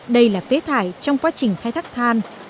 đây là phế thải trong quá trình khai thác than